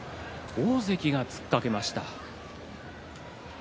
大関が突っかけました。